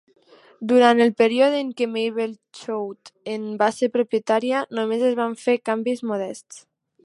Durant el període en què Mabel Choate en va ser proprietària, només es van fer canvis modests.